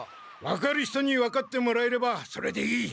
分かる人に分かってもらえればそれでいい。